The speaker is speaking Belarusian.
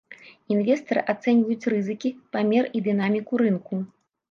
Інвестары ацэньваюць рызыкі, памер і дынаміку рынку.